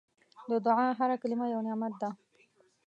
د دعا هره کلمه یو نعمت ده.